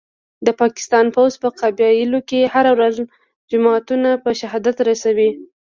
د پاکستان پوځ په قبایلو کي هره ورځ جوماتونه په شهادت رسوي